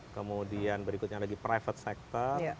kemudian berikutnya lagi private sector